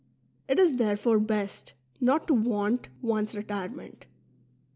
It is therefore best not to vaunt one's retirement.